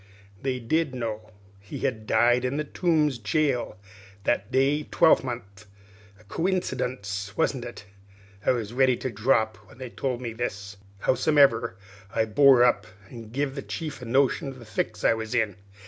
They did know he had died in the Tombs jail that day twelvemonth. A coincydunce, wasn't it? I was ready to drop when they told me this; howsomever, I bore up an' give the chief a notion of the fix I was in.